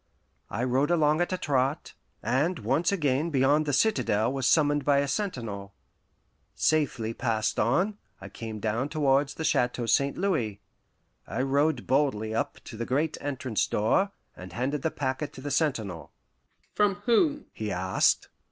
I rode along at a trot, and once again beyond the citadel was summoned by a sentinel. Safely passed on, I came down towards the Chateau St. Louis. I rode boldly up to the great entrance door, and handed the packet to the sentinel. "From whom?" he asked.